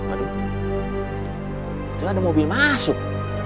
aduh tuh ada mobil masuk